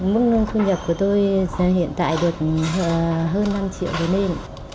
mức nâng thu nhập của tôi hiện tại được hơn năm triệu đồng nên